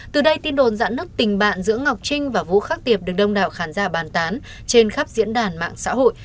từ đây tin đồn dẫn nước tình bạn giữa ngọc trinh và vũ khắc tiệp được đông đảo khán giả bàn tán trên khắp diễn đàn mạng xã hội